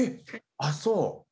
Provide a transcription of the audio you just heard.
あっそう。